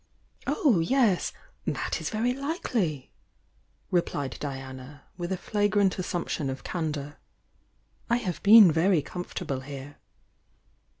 "Oh, yes! That is very likely!" replied Diann. with a flagrant assumption of candour. "I have beei. very comfortable here."